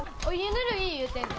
ぬるい言うてんで。